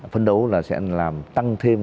phấn đấu là sẽ làm tăng thêm